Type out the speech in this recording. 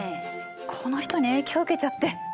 この人に影響受けちゃって。